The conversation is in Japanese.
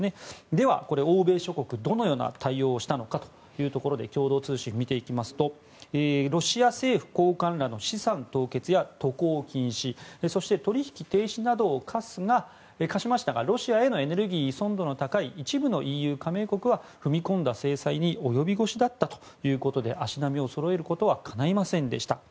では、欧米諸国はどのような対応をしたのかというところで共同通信を見ていきますとロシア政府高官らの資産凍結や渡航禁止、そして取引停止などを科しましたがロシアへのエネルギー依存度の高い一部のＥＵ加盟国は踏み込んだ制裁に及び腰だったということで足並みをそろえることはかないませんでした。